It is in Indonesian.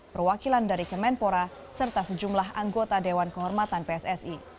perwakilan dari kemenpora serta sejumlah anggota dewan kehormatan pssi